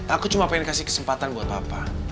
aku cuma pengen kasih kesempatan buat papa